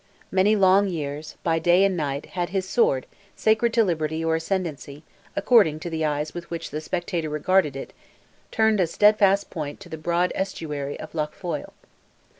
Many long years, by day and night, had his sword, sacred to liberty or ascendancy, according to the eyes with which the spectator regarded it, turned its steadfast point to the broad estuary of Lough Foyle.